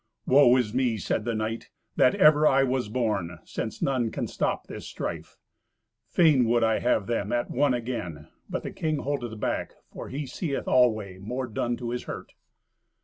"Woe is me," said the knight, "that ever I was born, since none can stop this strife! Fain would I have them at one again, but the king holdeth back, for he seeth always more done to his hurt."